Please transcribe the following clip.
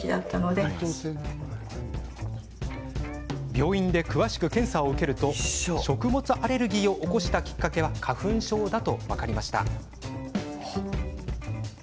病院で詳しく検査を受けると食物アレルギーを起こしたきっかけは花粉症だと分かりました。